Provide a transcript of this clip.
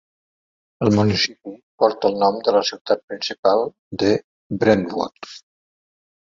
El municipi porta el nom de la ciutat principal de Brentwood.